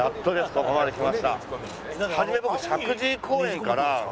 ここまできました。